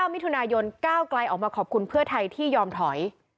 มิถุนายนก้าวไกลออกมาขอบคุณเพื่อไทยที่ยอมถอย